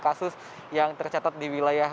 kasus yang tercatat di wilayah